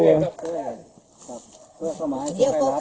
เหลืองเท้าอย่างนั้น